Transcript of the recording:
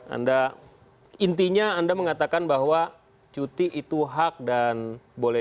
anda intinya anda mengatakan bahwa cuti itu hak dan boleh